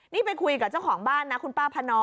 นี่ไปคุยกับเจ้าของบ้านนะคุณป้าพนอ